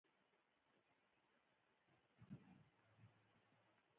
هر کس کولای شي چې خپل نظر په لیکلي بڼه ښکاره کړي.